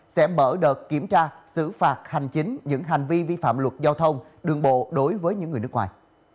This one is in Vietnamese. sẽ mở đợt kiểm tra xử phạt hành chính những hành vi vi phạm luật giao thông đường bộ đối với những người nước ngoài